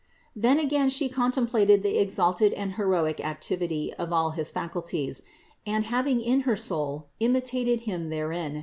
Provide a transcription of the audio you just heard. Then again She contemplated the exalted and heroic activity of all his faculties, and, having in her soul imitated Him therein.